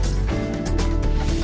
kisah kisah tauhe mengenai d blend